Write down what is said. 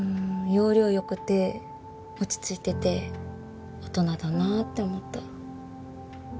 要領良くて落ち着いてて大人だなって思った。